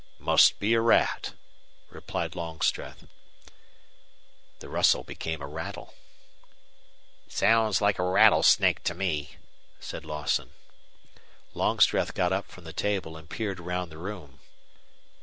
"Must be a rat," replied Longstreth. The rustle became a rattle. "Sounds like a rattlesnake to me," said Lawson. Longstreth got up from the table and peered round the room.